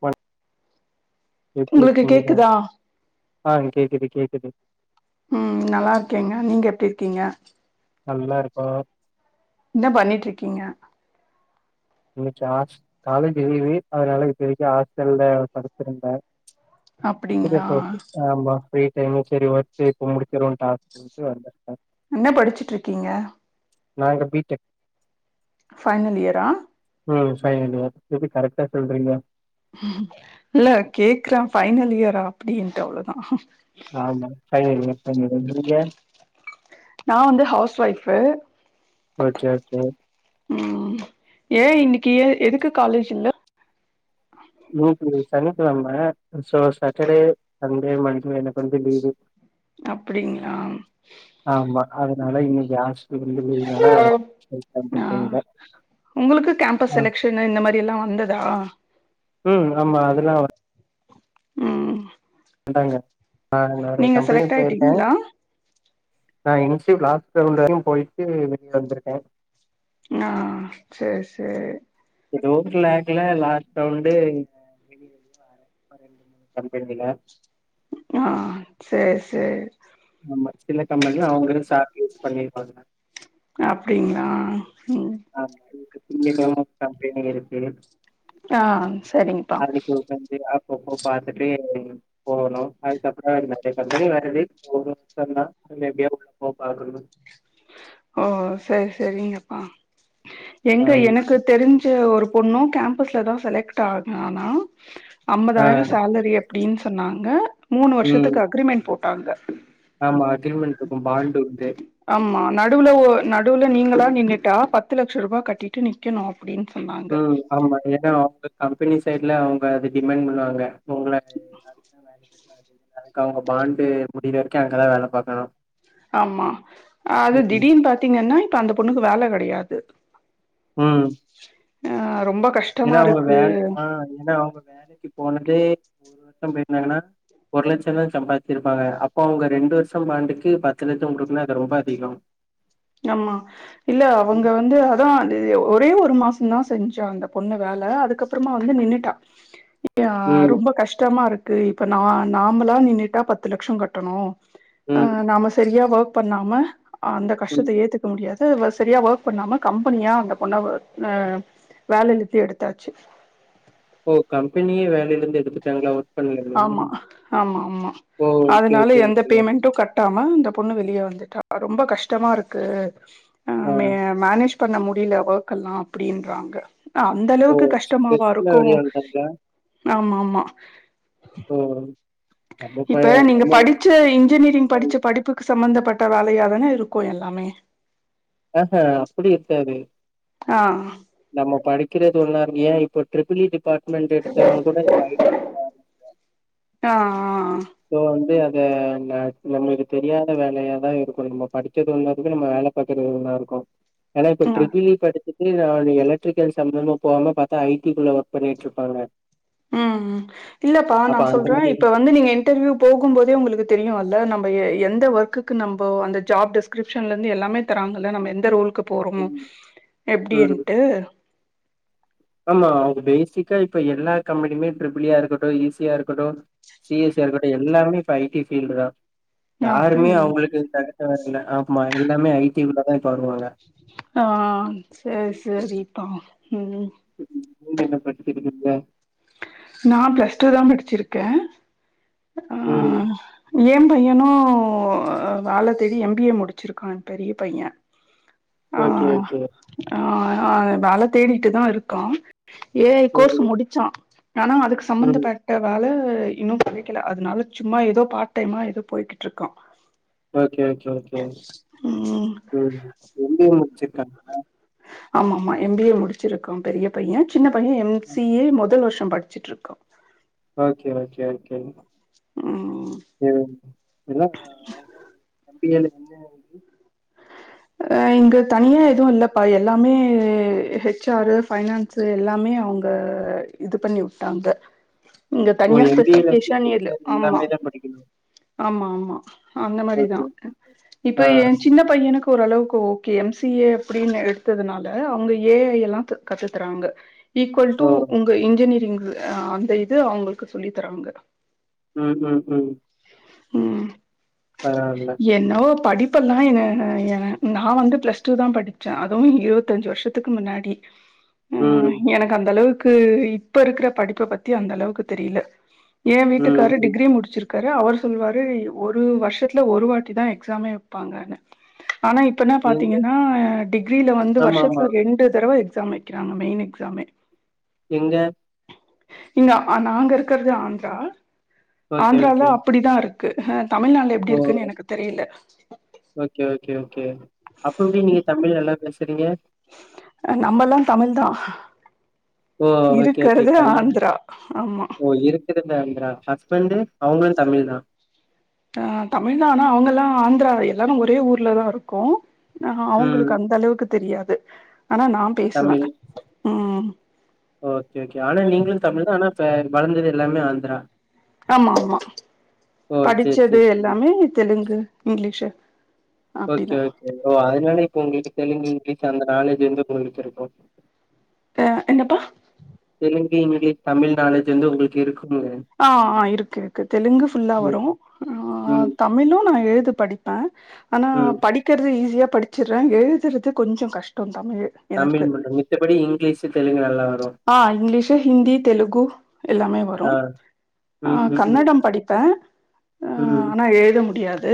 ப உங்களுக்கு கேக்குதா ஒரு கேக்குது கேக்குது ம் நல்லா இருக்கேங்க நீங்க எப்படி இருக்கீங்க நல்லா இருக்கோ என்ன பண்ணிட்டுருக்கீங்க இன்னைக்கு காலேஜ் லீவ் அதனால இப்பக்க ஹாஸ்டல்ல படுடுத்திருந்தேன் அப்டிங்களா [unintelligible] ஆமா சரி [unintelligible] என்ன படிச்சுட்டுருக்கீங்க நான் இங்க பி டேக் ஃபைனல் இயரா உம் ஃபைனல் இயர் எப்டி கரெ்டா சொல்றீங்க இல்ல கேக்குறேன் பைனல் இயரா அப்படின்னுட்டு அவ்ளவுதான் ஆமா ஸ்கை இல்லனா தண்ணி வந்துரும்ல நா வந்து ஹவ்ஸ் ஒய்ஃபு ஓக்கே ஓக்கே ம் ஏ இன்னைக்கு ஏ எதுக்கு காலேஜ் இல்ல இன்னைக்கு சனிக்கெழம சோ சட்டர்டே சன்டே மன்டே எனக்கு வந்து லீவு அப்டிங்களா ஆம்மா அதனால இனைகுயாஷ் இங்க ரெண்டு லீவ்னால என்ன ஆ பண்றது தெரில உங்களுக்கு கேம்பஸ் அ செலெக்ஷன் இந்த மாதிரி எல்லா வந்ததா ம் ஆமா அதெல்லா வர ஆ நாங்க ஆ நானு ஒரு கம்பெனி செலக்ட் போயிருந்தே ஆயிட்டீங்களா நா இனிச்சு லாஸ்ட் ரவுண்ட் வரையு போய்ட்டு வெளிய வந்துருக்கே நா சேர் சே இது ஓன் க்லாக்ல லாஸ்ட் ரவுண்டு் வெளிய வர்லியோ வார ம்மா ரெண்டு மூணு கம்பெனில ஆ சேர் சேர் ஆமா சின்ன கம்பெனில அவங்களே சாட்லிஸ்ட் பண்ணிருப்பாங்க அப்டிங்ளா ம் ஆமா இன்னிக்கு திங்க கெழம கம்பெனி இருக்கு ஆ சரிங்ப்பா இது அப்பப்போ பாத்துட்டே [unintelligible] போகணு அதுகப்பறோ நறைய கம்பெனி வருது போகனுந்தா [unintelligible] போட்டாகனு ஓ செரி செரிங்கப்பா எங்க ஆமா எனக்கு தெரிஞ்ச ஒரு பொண்ணூ கேம்பஸ்ல தா செலக்ட் ஆகுனானா ஆ அம்பதாயிரோ சேலரி அப்டின்னு சொன்னாங்க மூணு ம் வருஷத்துக்கு அக்ரிமென்ட் போட்டாங்க ஆமா ஆகிரிமெண்டருக்கு பாண்டு உண்டு ஆமா நடுவுல நடுவுல நீங்களா நின்னுட்டா பத்து லட்சோ ரூபாயன கட்டிட்டு நிக்கணு அப்டின்னு சொன்னாங்க ம். ஆமா ஏனா அவங்க கம்பெனி சைட்ல அவங்க அது டிமாண் பண்ணுவாங்க உங்கள நாளைக்தா வேலக்கி எடுப்பார் எனக்கு அவுங்க பாண்டு முடிற வரைக்கு அங்கதா வேல பாக்கணு ஆமா அது திடீனு பாத்தீங்கன்னா இப்ப அந்த பொண்ணுக்கு வேல கெடையாது ஆ ஆ ரொம்ப கஷ் எனா அவுங்க வேலைக் ஆ எனா அவுங்க வேலைக்குப் போனதே ஒரு வருஷம் போயிருந்தாங்கனா ஒரு லச்சோ தா சம்பாதிச்சிருப்பாங்க அப்போ அவங்க ரெண்டு வருஷோ பாண்டுக்கு பத்து லச்சோ குடுக்குனா அது ரொம்ப அதிகோ ஆமா இல்ல அவங்க ம். வந்து அதா அது ஒரே ஒரு மாசொந்தா செஞ்சா அந்த பொண்ணு வேல அதுக்கப் அப்றமா வந்து நின்னுட்டா ஆ ம். ரொம்ப கஷ்டமா இருக்கு இப்ப நா நாமளா நீன்னிட்டா பத்து லட்சோ கட்டணு ம் நாம சரியா ஒர்க் பண்ணாம அந்த கஷ் ம். எத்துக்க முடியாது செரியா ஒர்க் பண்ணாம கம்பெனியா அந்த பொண்ணா அ வேலு குத்தி எடுத்தாச்சு ஓ கம்பெனியே வேலையில இருந்து எடுத்துட்டாங்களா ஒரு ஆமா ஆமா ஆமா ஓ! ஓகே, அதனால ஓகே, எந்த ஓகே. பேமெண்டு கட் டாம இந்த பொண்ணு வெளிய வந்துட்டா ரொம்ப கஷ்டமா இருக்கு அ ஆ. மே மேனேஜ் பண்ண முடில ஓர்க்கலா அப்டின்றாங்க அந்த ஓ! அளவுக்கு கஷ்டமாவா ஸ்ட்ரெஸ்ல இருக்கு வெளிய வந்துட்டாங்களா? ஆமா ஆமா ஓ நம்ம ப இப்ப நீங்க நம்ம படிச்ச இன்ஜினிரிங் படிச்ச படிப்புக்கு சம்பந்தப்பட்ட வேலயாதானே இருக்கு எல்லாமே அஹ்ஹே அப்டி இருக்காது ஆ நம்ம படிக்கிறது ஒன்னாருக் ஏ இப்ப ட்ரிபிள் இ டிபார்ட்மெண்ட் எடுத்தவ கூட இப்ப ஐ டி குள்ள ஆஹ்ஹஹ்ஹஹ சோ வந்து அத ந நம்மளுக்கு தெரியாத வேலயாதா இருக்கு நம்ம படிச்சது ஒன்னாருக்கு நம்ம வேல பாக்றது ஒன்ன இருக்கு ஏன்னா இப்ப ஆ ட்ரிபிள் இ படிச்சிட் இல்ல அது எலக்ட்ரிக்கல் சம்பந்தமா போவங்க பாத்தா ஐ டிக்குள்ள ஒர்க் பண்ணிட்டு இருப்பாங்க ம் இல்லப்பா அப்ப நா அந்த சொல்றே மாரி இப்ப வந்து நீங்க என் இன்டர்ர்யூ போகும்போதே ஒங்களுக்கு தெரியு அல்ல நம்ம எந்த ஒர்க்குக்கு நம்ம அந்த ஜாப் டெஸ்க் ரிவிஸன்ல இருந்து எல்லாமே தராங்கல்ல நம்ம எந்த ரோலுக்கு போறோமோ ம் ம் எப்டின்ட்டு ஆமா அவுங் பேசிக்கா இப்ப எல்லா கம்பெனிமே ட்ரிபிள் இ யா இருக்கட்டு ஈ சியா இருக் இருக்கட்டு சி எஸ் அ இருக்கட்டு எல்லாமே இப்ப ஐடி பீல்டு தா யாருமே அப்டிங் அவுங்களுக்கு தகு வேற்ல்ல ஆமா எல்லாமே ஐ டி குள்ளதா இப்ப வருவாங்க ஆ ஆ செரி செரிப்பா ம் நீங்க என்ன பண்டுருக்கீங்க நா ப்ளஸ் டூ தா படிச்சிருக்கே ஆ ம் ஏ பையனு வேல தேடி எம் பி ஏ முடிச்சிருக்கா பெரிய பைய ஆ ஓகே ஓகே ஆ ஆ வேல தேடிட்டுதா இருக்கா ஏ ஐ ம் கோர்ஸ் முடுச்சா ஆனா அதுக்கு ம் சம்பந்தப்பட் நல்ல வேல இன்னு கெடக்கல அதனால சும்மா ஏதோ பார்ட் டைமா ஏதோ போய்ட்டுட்ர்க்க ஓகே ஓகே ஒ கே ம் ம் எம் பி எ முட்ச்சுருக்கா ஆமா ஆமா எம் பி ஏ முடுச்சிருக்கா பெரிய பைய சின்ன பைய எம் ம். சி ஏ மொத வருஷோ படிச்சிட்டு இருக்கா ஓகே ஓகே ஓகே ம்ம்ம் ம் இதுலா பி எல்லெ அ இங்க தனியா எது இல்லப்பா எல்லாமே ஹச்சாரு பைனான் சு எல்லாமே அவுங்க இது பண்ணி வுட்டாங்க இப்போ எம்பிஏல இருந்து இல்ல டீச்சர் ஆமா எல்லாமே தா படிக்கணு ஆமா ஆமா அந்த ஓகே மாரிதா ஓகே ஓகே. ஆ இப்ப எ சின்ன பையனுக்கு இப்ப ஓரளவுக்கு okay M C A அப்டின்னு எடுத்ததுனால அவுங்க ஏ ஐ எல்லா கத்து தராங்க ஈக்குவல் டு ஓ உங்க இன்ஜினிரிங் அந்த இத அவுங்களுக்கு சொல்லி தராங்க உம் உம் உம் ம் பரவால்ல என்னவோ படிப்பெல்லா என நா வந்து பிளஸ் டூ தா படிச்ச அதுவு இருவத்தஞ்சு வர்ஷத் துக்கு முன்னாடி [inaudible] ம் எனக்கு அந்த அளவுக்கு இப்ப இருக்கிற படிப்ப பத்தி அந்த அளவுக்கு தெரில ஏ ம் வீட்டுக்காரு ம் டிகிரி முடிச்சிர்க்காரு அவர்ஸ் சொல்வாரு ஒரு வருஷத்ல ஒரு வாட்டிதா எக்ஸாமே வெப்பாங்கனு ஆனா இப்பனா எங்க பாத்தீங்கன்னா டிகிரில வந்து ஆமா ஆமா வருஷத்துல ரெண்டு தடவ எக்ஸாம் வெக்கிறாங்க மெயின் எக்ஸாமே எங்க இங்க ஆ நாங்க இருக்கறது ஆந்திரா ஓகே ஆந்திரால ஓகே அப்படிதா இரு க்கு தமிழ்நாள்ல எப்டி ஓ இருக்குன்னு எனக்கு தெரில ஓகே ஓகே ஓகே அப்பெப்டி நீங்க தமிழ் நல்லா பேசறீங்க? நம்மெல்லா தமிழ்தான் ஓ! Okay, okay. இருக்கறது ஆந்திரா ஆமா இருக்கறது ஆந்திரா ஹஸ்பண்ட்டு அவுங்களு தமிழ்தான் அ தமிழ்தான் ஆனா அவுங்கெல்லா ஆந்திரா எல்லாரு ஒரே ஊர்லதான் இருக்கோ ஆ ம். அவுங்களுக்கு அந்த அளவுக்கு தெரியாது ஆனா நான் பேசுவேன் தமிழ். ம் ஓகே ஓகே ஆனா நீங்களு தமிழ்தான் ஆனா இப்ப வளந்தது எல்லாமே ஆந்திரா ஆமாமா ஓ! சரி, படிச்சது சரி, சரி. எல்லாமே தெலுங்கு இங்கிலீஷு ஓகே அப்டிதா ஓகே ஓ அதனால இப்ப உங்களுக்கு தெலுங்கு இங்கிலீஷ் அந்த நாலேஜ் வந்து உங்களுக்கு இருக்கு ஆ என்னப்பா தெலுங்கு இங்கிலீஷ் தமிழ் நாலேஜ் வந்து உங்களுக்கு இருக்குங்க ஆ ஆ இருக்கு இருக்கு தெலுங்கு ஃபுல்லா வரு ம், ஆ ம், தமிழு நா எழுத படிப்ப ஆனா ம். படிக்கறது ஈஸியா படிச்சர்ற எழுதறது கொஞ்சோ கஷ்டோ தமிழ் தமிழ் எனக்கு மட்டு மித்தபடி இங்கிலீஷ் தெலுங்கு நல்லா வரு ஆ இங்கிலீஷு, ஹிந்தி, தெலுகு எல்லாமே வரு ஆ. ஆ ம், ம், ம். கன்னடம் படிப்பன் அ ம், ஆனா எழுத முடியாது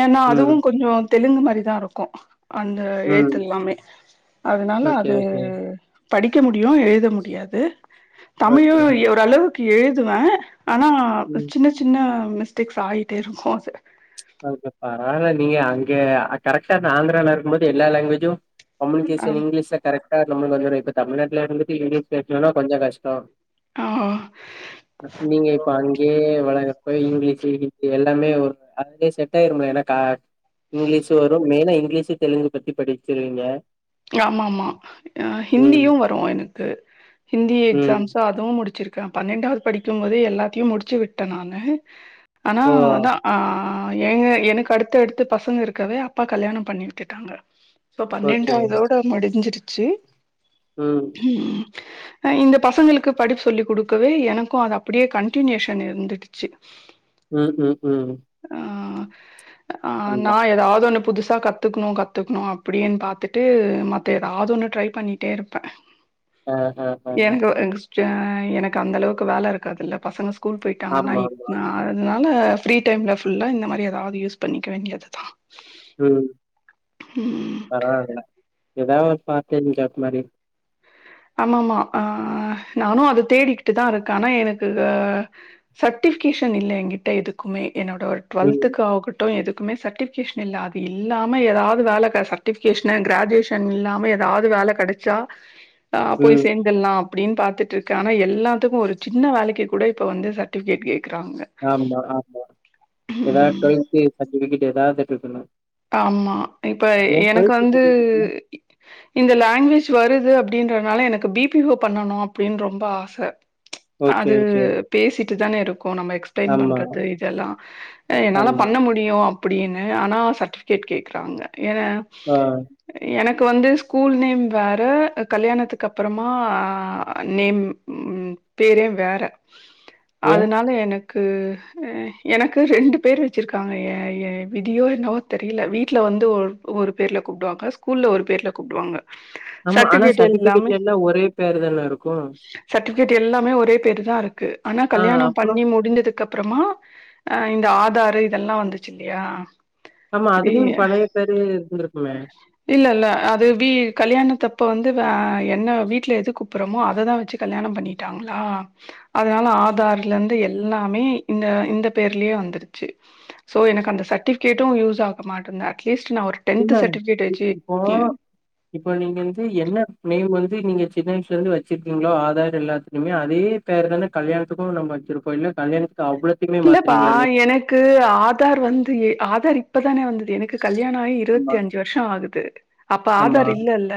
ஏனா ம், அதுவுங் கொஞ்சோ தெலுங்கு மாரிதான் இருக்கு அந்த ம். எழுத்து எல்லாமே அதனால ஓகே, அது ஓகே. படிக்க முடியு எழுத முடியாது தமிழு ஓகே. ஓரளவுக்கு எழுதுவன் ஆனா ஆ ம். சின்ன சின்ன மிஸ்டேக்ஸ் ஆயிட்டே இருக்கு அது ஓகே பரவால்ல நீங்க அங்க கரெக்ஷன் ஆந்திரல இருக்கும்போது எல்லா லேங்குவேஜு ஆ கம்முனிகேஷன் இங்கிலீஷ்ல கரெக்ட்டா நம்மளுக்கு வந்துரு இப்ப தமிழ்நாட்ல இருந்துட்டு இங்கிலீஷ் பேசணுனா கொஞ்சோ கஷ்டோ ஆ நீங்க இப்ப அங்யே வளகப்ப இங்கிலீஷ் சீவி இதெல்லாமே ஒரு அதுலயே செட் ஆயிருமல்ல என்னக்கா இங்கிலீஷு வரு மெய்னா இங்கிலீஷு தெலுங்கு பத்தி படிச்சிருவீங்க ஆமாமா ம். ஹிந்தியு வரு எனக்கு ஹிந்தி ம். எக்ஸாம்ஸு அதுவு முடிச்சிருக்கேன் பன்னெண்டாவது படிக்கும்போதே எல்லாத்தையு முடிச்சு விட்டன் நானு ஆனா ஓ! அதான் ஆ ஆ ஏங்க எனக்கு அடுத்தடுத்து பசங்க இருக்கவே அப்பா கல்யாணம் பண்ணி விட்டுட்டாங்க சோ ஓகே. பன்னெண்டா [unintelligible] முடிஞ்சிருச்சு ம் ம் ஆ இந்த பசங்களுக்கு படிப்பு சொல்லி குடுக்கவே எனக்கு அது அப்டியே கன்டினியூஷன் இருந்திடுச்சு ம் ம் ம் ஆ ஆமா. நா எதாவது ஒண்ணு புதுசா க த்துக்கணு கத்துக்கணு அப்டின் பாத்துட்டு மத்த எதாவது ஒண்ணு ட்ரை பண்ணிட்டே இருப்ப அ, அ, அ. எனக்கு ஜெ எனக்கு அந்த அளவுக்கு வேல இருக்காதல்ல பசங்க ஸ்கூல் போயிட்டாங்கன்னா இ ஆமாமா. அதனால ஃப்ரீ டைம்ல ஃபுல்லா இந்த மாரி எதாவது யூஸ் பண்ணிக்க வேண்டியதுதான் ம் ம் பரவால்ல ஏதாவ ஒரு பார்ட் டைம் ஜாப் மாதிரி ஆமாம்மா அ நானு அத தேடிக்கிட்டு தான் இருக்கே ஆனா எனக்கு சர்டிபிகேஷன் இல்ல என் கிட்ட எதுக்குமே என்னோட ஒரு ம். டுவல்த்துக்கு ஆகட் டு எதுக்குமே சர்டிபிகேஷன் இல்ல அது இல்லாம ஏதாவது வேலை சர்டிபிகேஷன் கிராஜுவேஷன் இது‌ இல்லாம ஏதாவது வேலை கிடைச்சா ஆ போய் ம். சேந் தரல்லாம் அப்டின்னு பாத்துட்டு இருக்கன் ஆனா எல்லாத்துக்கும் ஒரு சின்ன வேலைக்கு கூட இப்ப வந்து சர்டிபிகேட் கேட்கறாங்க ஆமா ஆமா ஏதாவது டுவெல்து சர்டிவிகேட் ஏதாவது இருக்கணு ஆமா இப்ப எனக்கு வந்து சர்டிஃபிகேட்னா? இந்த லாங்குவேஜ் வருது அப்டின்றதுனால எனக்கு பி பி ஓ பண்ணணு அப்டின்னு ரொம்ப ஆச ஓகே, அது ஓகே. பேசிட்டு தானே இருக்கோ நம்ம அட்டன் ஆமா, பண்றது இதெல்லா என்னால ஆமா. பண்ண முடியு அப்டின்னு ஆனா சர்டிபி கேட் கேட்கறாங்க ஏன்னா ஆ எனக்கு வந்து ஸ்கூல் நேம் வேற கல்யாணத்துக்கு அப்பறமா நேம் ம் பேரே வேற உ அதனால எனக் கு எனக்கு ரெண்டு பேர் வச்சிருக்காங்க ஏ ஏ விதியோ என்னவோ தெரியல வீட்ல வந்து ஒரு ஒரு பேர்ல கூப்டுவாங்க ஸ்கூல்ல ஒரு பேர்ல கூப்டுவாங்க ஆமா. ஆனா சர்டிபிகேட் எல்லாமே சர்டிஃபிகேட்ல எல்லாம் ஒரே பேரு தான இருக்கும். சர்டிபிகேட் எல்லாமே ஒரே பேரு தான் இருக்கு ஆனா ஆ கல்யாணம் அப்புறம் பண்ணி முடிஞ்சதுக்கு அப்புறமா அ இந்த ஆதாரு இதெல்லாம் வந்துச்சு இல்லையா ஆமா அதுலயும் பழைய பேரு இருந்திருக்குமே இல்ல இல்ல அது வீ கல்யாணத்தப்ப வந்து அ என்ன வீட்ல எது கூப்புறமோ அததான் வச்சு கல்யாணம் பண்ணிட்டாங்களா அதனால ஆதார்ல இருந்து எல்லாமே இந்த இந்த பேர்லயே வந்துருச்சு சோ எனக்கு அந்த சர்டிபிகேட்டும் யூஸ் ஆக மாட்டேது அட்லீஸ் நான் ஒரு டேன்த் இல்ல சர்டிபிகேட் வச் இப்போ இப்போ நீங்க வந்து என்ன நேம் வந்து நீங்க சின்ன வயசுலேருந்து வச்சிருக்கீங்களோ ஆதார் எல்லாத்துலுமே அதே அதே பேர் தான் கல்யணத்துக்கும் நம் வச்சிருப்போ இல்ல கல்யாணத்துக்கு அவ்ளோ இல்லப்பா எனக்கு ஆதார் வந்து ஆதார் இப்பதானே வந்தது என க்கு கல்யாணம் ஆயி ஆமா, இருவத்தி அஞ்சு வருஷம் ஆகுது அப்ப ஆமா, ஆதார் இல்லல்ல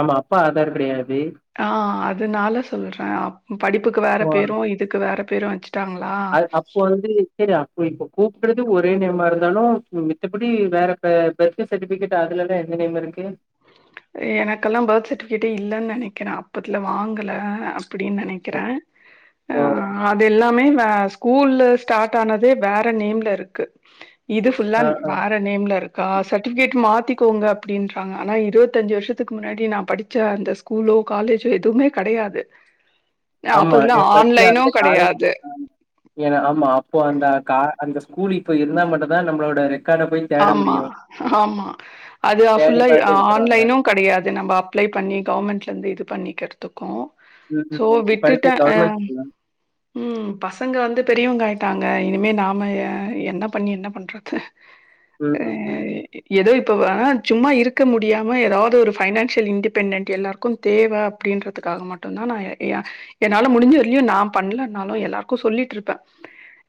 ஆமா அப்ப ஆதார் கிடையாது ஆ அதனால சொல்றேன் அப் படிப்புக்கு வேற பேரும் இதுக்கு வேற பேரும் வச்சுட்டாங்களா அ அப்போ வந்து சரி அப்ப இப்ப கூப்பிடுறது ஒரே நேமா இருந்தாலும் மித்தபடி வேற பெர்து சர்டிபிகேட் அதுலல்லாம் எந்த நேம் இருக்கு எனக்கெல்லாம் பர்த் சர்டிபிகேட்டே இல்லன்னு நினைக்கிறேன் அப்பத்துல வாங்கல அப்டின்னு நினை க்கிறேன் ஆ அச்சோ! அது எல்லாமே வே ஸ்கூல்ல ஸ்டார்ட் ஆனதே வேற நேம்ல இருக்கு இது ஃபுல்லா ஆ, ஆ. வேற நேம்ல இருக்கா சர்டிபிகேட் மாத்திக்கோங்க அப்டின்றாங்க ஆனா இரு தஞ்சு வருஷத்துக்கு முன்னாடி நான் படிச்ச அந்த ஸ்கூலோ காலேஜோ எதுவுமே கிடையாது ஆமா என் பத்தி அந்த காலேஜ்ல கெடையாது தான் ஏன்னா ஆமா அப்போ அந்த கா அந்த ஸ்கூல் இப்ப இருந்தா மட்டு தான் நம்மளோட ரெக்கார்ட போய் தேட ஆமா முடியும். ஆமா அது தேடி அப்ஃபுல்லா பார்த்து எடுத்துருவாங்க. ஆன்லைனு கெடையாது நம்ம அப்ளை பண்ணி கவர்மெண்ட்ல இந்து இது பண்ணிக்கற் துக்கு ம், சோ ம். விட்டுட்டே படிச்சது ஆ கவர்மெண்ட் ஸ்கூலா? உம் பசங்க வந்து பெரியவங்க ஆயிட்டாங்க இனிமே நாம என்ன பண்ணி என்ன பண்றது அ உம் ஏதோ இப்ப ஆ சும்மா இருக்க முடியாம ஏதாவது ஒரு பைனான்சியல் இன்டிபெண்டட் எல்லாரு க்கு தேவ அப்டின்றதுக்காக மட்டு தா நா ஏ என்னால முடிஞ்ச வர்லயு நா பண்ணலனாலு எல்லாருக்கு சொல்லிட்டு இருப்பே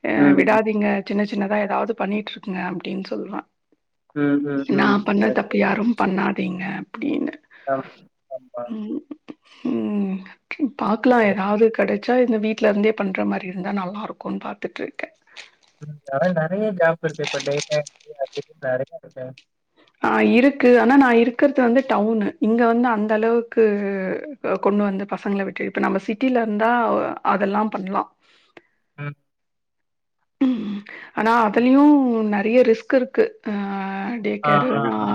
ஆ ம். விடாதீங்க சின்ன சின்னதா ஏதாவது பண்ணிட்டு இருக்கங்க அப்டின்னு சொல்லுவே ம், ம், நா ம். பண்ண கரெக்ட்டு. தப்ப யாரு பண்ணாதீங்க அப்டின்னு அலோ உம் உம் பாக்கலா எதாவது கெடைச்சா இந்த வீட்ல இருந்தே பண்டற மாரி இருந்தா நல்லாருக்கு பாத்துட்டுருக்கே அத நெறைய கெப் இருக்கு இப்ப டேட் நைட் நெறைய இருக்கு ஆ இருக்கு ஆனா நா இருக்கறது வந்து டவுனு இங்க வந்து அந்த அளவுக்கு கொண்டு வந்து பசங்கள விட்டு இப்ப நம்ம சிட்டியில இருந்தா அதெல்லா பண்லா உம் உம் ஆனா அதுலையு நெறைய ரிஸ்க் இருக்கு ஆ ஆ, ஆ, டேக்கேருனா ஆ,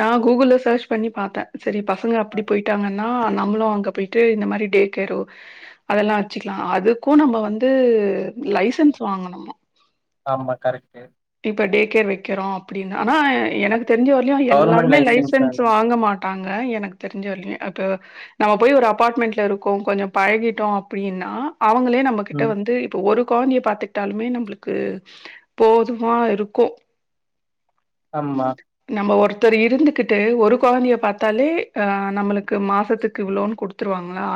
நா கூகுள் செர்ச் பண்ணி பாத்தே செரி பசங்க ஆ. அப்டி போயிட் டாங்கென்னா நம்மளு அங்க போயிட்டு இந்த மாரி டே கேர் அதெல்லா அச்சுக்கலா அதுக்கு நம்ம வந்து லைசன்ஸ் வாங்கணு ஆமா கரெக்ட்டு இப்ப டே கேர் வைக்கிறோ அப்டின்னா னா எனக்கு தெரிஞ்ச வர்லையு கவர்மெண்ட் எல்லாருமே லைசன்ஸ் வேணும். வாங்க மாட் டாங்க எனக்கு தெரிஞ்ச வர்லையு அப்போ நாம் போய் ஒரு அபார்ட்மெண்டட்ல இருக்கோ கொஞ்சோ பழகிட்டோ அப்டின்னா அவ்ங்களே நமக் கிட்ட ம். வந்து இப்ப ஒரு கொந்தைய பாத்துட்டாலுமே நம்மளுக்கு போதுமா இருக்கு அம்மா நம்ம ஒருத்தர் இருந்துகிட்டு ஒரு கொழந்தைய பாத்தாலே ஆ நம்மளுக்கு மாசத்துக்கு இவ்ளோ குடுத் துருவாங்களா